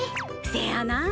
せやな。